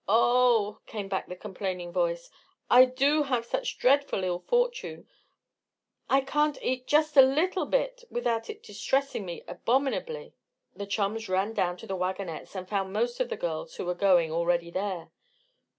Oh!" came back the complaining voice. "I do have such dreadful ill fortune. I can't eat just a little bit without its distressing me abominably!" The chums ran down to the wagonettes and found most of the girls who were going already there.